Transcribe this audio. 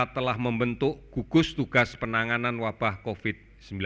telah membentuk gugus tugas penanganan wabah covid sembilan belas